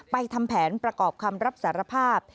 ทำแผนประกอบคำรับสารภาพ